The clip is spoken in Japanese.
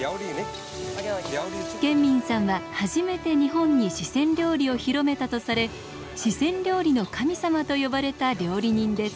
建民さんは初めて日本に四川料理を広めたとされ四川料理の神様と呼ばれた料理人です。